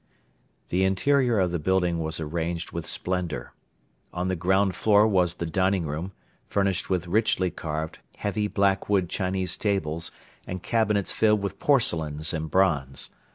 The interior of the building was arranged with splendor. On the ground floor was the dining room, furnished with richly carved, heavy blackwood Chinese tables and cabinets filled with porcelains and bronze.